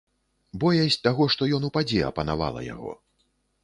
Боязь таго, што ён упадзе, апанавала яго.